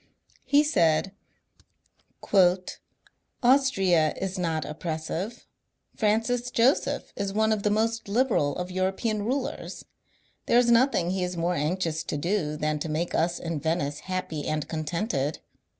He said: '^ Austria is not oppressive. Francis Joseph is one of the most liberal of European rulers. There is nothing he is more anxious to do than to make us in Venice happy and contented.